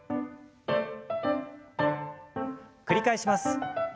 繰り返します。